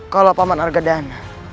kalau paman argadana